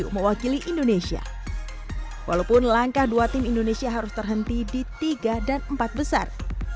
mewakili indonesia walaupun langkah dua tim indonesia harus terhenti di tiga dan empat besar